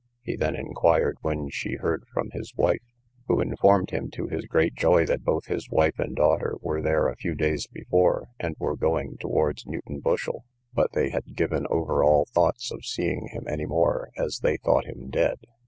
He then inquired when she heard from his wife, who informed him, to his great joy, that both his wife and daughter were there a few days before, and were going towards Newton Bushel; but they had given over all thoughts of seeing him any more, as they thought him dead.